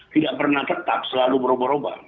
tidak pernah tetap selalu berubah ubah